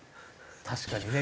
確かにね。